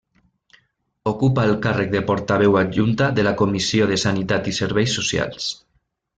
Ocupa el càrrec de portaveu adjunta de la Comissió de Sanitat i Serveis Socials.